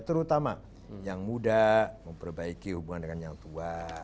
terutama yang muda memperbaiki hubungan dengan yang tua